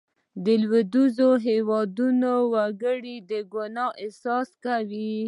لوېدیځو هېوادونو وګړي د ګناه احساس کوي.